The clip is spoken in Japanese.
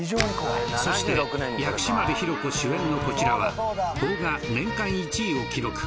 そして薬師丸ひろ子主演のこちらは邦画年間１位を記録